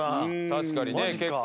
確かにね結構。